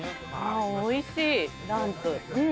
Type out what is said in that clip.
おいしいランプ。